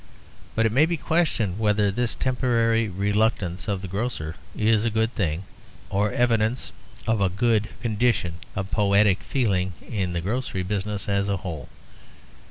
But it may be questioned whether this temporary reluctance of the grocer is a good thing, or evidence of a good condition of poetic feeling in the grocery business as a whole.